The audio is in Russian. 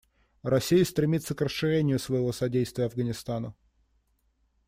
Россия стремится к расширению своего содействия Афганистану.